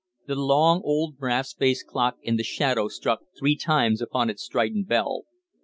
The long old brass faced clock in the shadow struck three times upon its strident bell.